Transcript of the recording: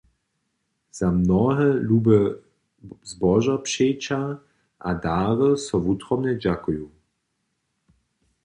Za mnohe lube zbožopřeća a dary so wutrobnje dźakuju.